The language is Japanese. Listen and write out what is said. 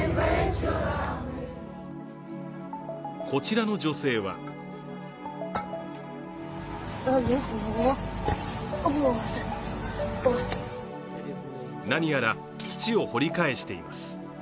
こちらの女性は何やら土を掘り返しています。